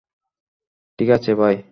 ঠিক আছে, ভাই?